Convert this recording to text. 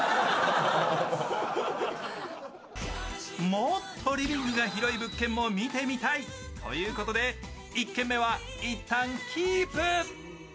もっとリビングが広い物件も見てみたいということで１軒目は一旦キープ。